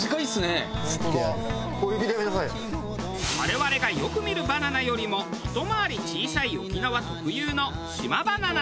我々がよく見るバナナよりもひと回り小さい沖縄特有の島バナナ。